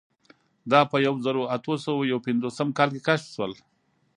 دا په یوه زرو اتو سوو یو پنځوسم کال کې کشف شول.